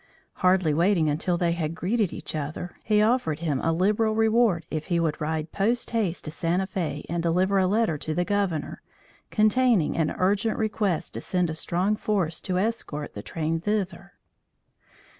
Hardly waiting until they had greeted each other, he offered him a liberal reward if he would ride post haste to Santa Fe and deliver a letter to the Governor, containing an urgent request to send a strong force to escort the train thither.